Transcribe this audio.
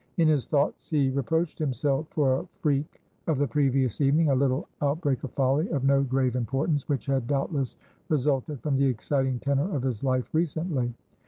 In his thoughts, he reproached himself for a freak of the previous evening, a little outbreak of folly, of no grave importance, which had doubtless resulted from the exciting tenor of his life recently.